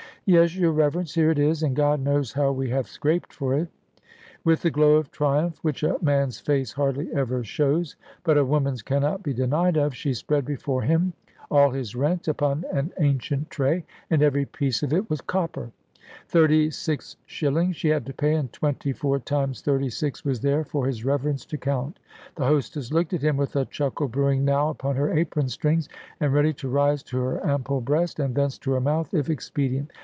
"Yes, your Reverence, here it is. And God knows how we have scraped for it." With the glow of triumph which a man's face hardly ever shows, but a woman's cannot be denied of, she spread before him all his rent upon an ancient tray, and every piece of it was copper. Thirty six shillings she had to pay, and twenty four times thirty six was there for his Reverence to count. The hostess looked at him, with a chuckle brewing now under her apron strings, and ready to rise to her ample breast, and thence to her mouth, if expedient.